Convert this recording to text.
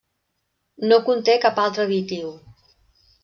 No conté cap altre additiu.